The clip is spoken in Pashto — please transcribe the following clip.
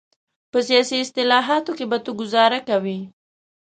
په سیاسي اصطلاحاتو کې به ته ګوزاره کوې.